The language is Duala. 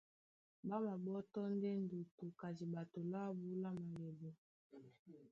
Ɓá maɓótɔ́ ndé ndútú ka diɓato lábū lá malɛbu.